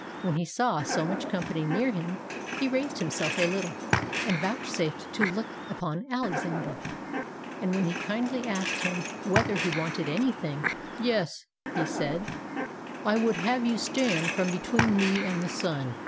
When he saw so much company near him, he raised himself a little, and vouch safed to look upon Alexander; and when he kindly asked him whether he wanted any thing, "Yes," said he, "I 192 ALEXANDER THE GREAT would have you stand from between me and the sun."